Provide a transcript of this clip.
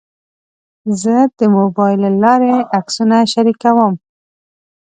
زه د موبایل له لارې عکسونه شریکوم.